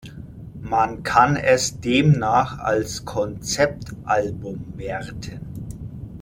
Man kann es demnach als Konzeptalbum werten.